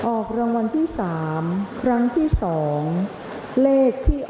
ออกรางวัลที่๓ครั้งที่๒เลขที่๖